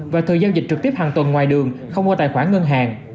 và thời giao dịch trực tiếp hàng tuần ngoài đường không qua tài khoản ngân hàng